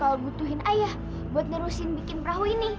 rani pasti bakal butuhin ayah buat nerusin bikin perahu ini